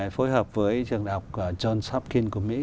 phối hợp với trường đại học john shopkin của mỹ